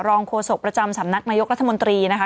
โฆษกประจำสำนักนายกรัฐมนตรีนะคะ